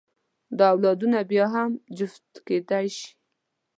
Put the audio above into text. دا اولادونه بیا هم جفت کېدلی شي.